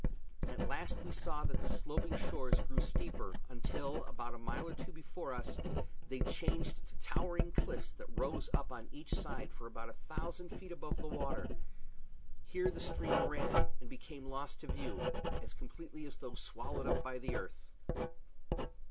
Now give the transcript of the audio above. At last we saw that the sloping shores grew steeper, until, about a mile or two before us, they changed to towering cliffs that rose up on each side for about a thousand feet above the water; here the stream ran, and became lost to view as completely as though swallowed up by the earth.